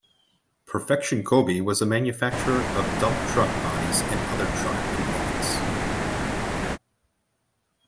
Perfection Cobey was a manufacturer of dump truck bodies and other truck components.